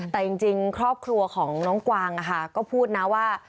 แต่จริงครอบครัวของน้องกวางก็พูดนะว่า